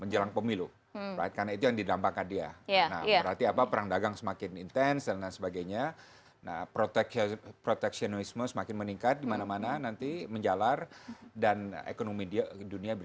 jadi pemerintah benar benar harus